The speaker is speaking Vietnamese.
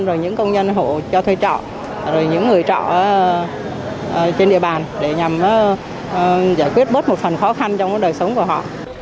rồi những công nhân hộ cho thuê trọ rồi những người trọ trên địa bàn để nhằm giải quyết bớt một phần khó khăn trong đời sống của họ